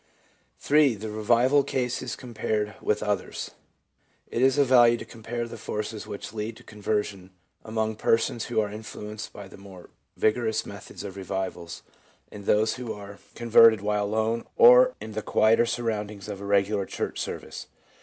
3. The Revival Cases Compared with the Others. — It is of value to compare the forces which lead to con version among persons who are influenced by the more vigorous methods of revivals, and those who are con 54 THE PSYCHOLOGY OF RELIGION verted while alone or in the quieter surroundings of a regular church service.